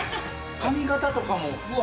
髪型とかもうわ。